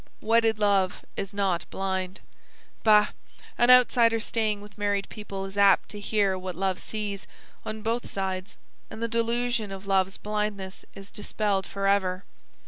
Wedded love is not blind. Bah! An outsider staying with married people is apt to hear what love sees, on both sides, and the delusion of love's blindness is dispelled forever.